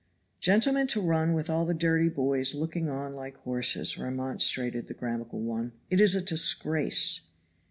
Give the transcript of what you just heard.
"Gentlemen to run with all the dirty boys looking on like horses," remonstrated the grammatical one, "it is a disgrace."